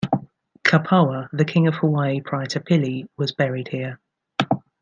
Kapawa, the king of Hawaii prior to Pili, was buried here.